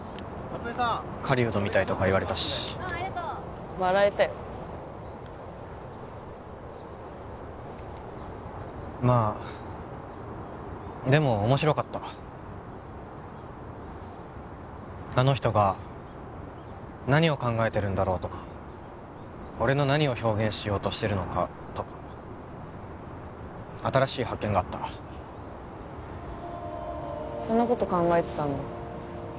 これ片づけときますね狩人みたいとか言われたしうんありがとう笑えたよまあでも面白かったあの人が何を考えてるんだろうとか俺の何を表現しようとしてるのかとか新しい発見があったそんなこと考えてたんだ